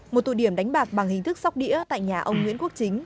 một tụ điểm đánh bạc bằng hình thức sóc đĩa tại nhà ông nguyễn quốc chính